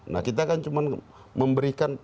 nah kita kan cuma memberikan